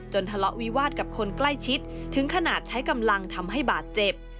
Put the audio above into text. ทะเลาะวิวาสกับคนใกล้ชิดถึงขนาดใช้กำลังทำให้บาดเจ็บ